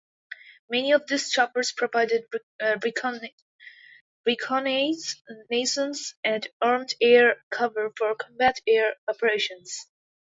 Many of these choppers provided reconnaissance and armed air cover for combat air operations.